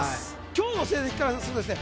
今日の成績からするとですね